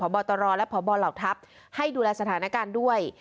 บตรและพบเหล่าทัพให้ดูแลสถานการณ์ด้วย